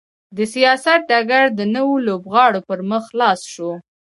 د سیاست ډګر د نویو لوبغاړو پر مخ خلاص شو.